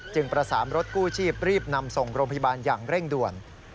ประสานรถกู้ชีพรีบนำส่งโรงพยาบาลอย่างเร่งด่วน